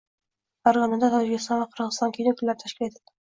Farg‘onada Tojikiston va Qozog‘iston kino kunlari tashkil etildi